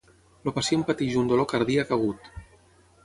El pacient pateix un dolor cardíac agut.